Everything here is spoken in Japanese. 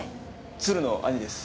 鶴の兄です。